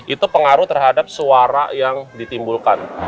itu pengaruh terhadap suara yang ditimbulkan